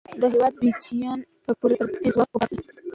د هېواد بچیان به پردی ځواک وباسي.